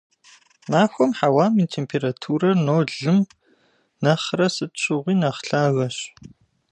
Махуэм хьэуам и температура нолым нэхърэ сыт щыгъуи нэхъ лъагэщ.